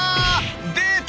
出た！